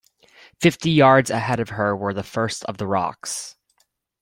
Fifty yards ahead of her were the first of the rocks.